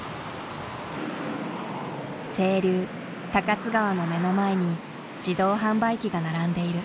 清流高津川の目の前に自動販売機が並んでいる。